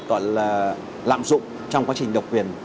tọa lạm dụng trong quá trình độc quyền